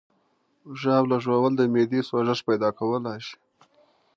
ژاوله ژوول د معدې سوزش پیدا کولی شي.